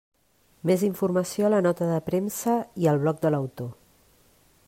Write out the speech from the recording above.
Més informació a la nota de premsa i el bloc de l'autor.